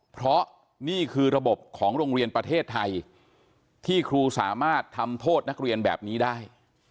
เพราะนี่คือระบบของโรงเรียนประเทศไทยที่ครูสามารถทำโทษนักเรียนแบบนี้ได้